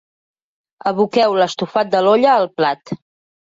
Aboqueu l'estofat de l'olla al plat.